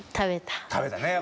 食べたね。